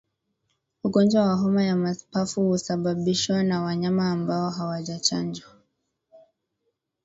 Ugonjwa wa homa ya mapafu husababishwa na wanyama ambao hawajachanjwa